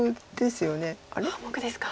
半目ですか。